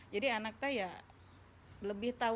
jadi anaknya ya lebih tahu aja gitu